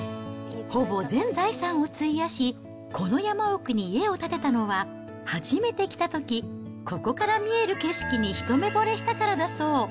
ほぼ全財産を費やし、この山奥に家を建てたのは、初めて来たとき、ここから見える景色に一目ぼれしたからだそう。